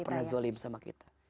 pernah zolim sama kita